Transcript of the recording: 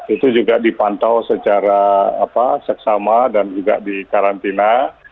itu juga dipantau secara seksama dan juga di karantina